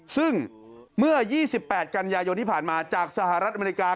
ซึ่งเมื่อ๒๘กันยายนที่ผ่านมาจากสหรัฐอเมริกา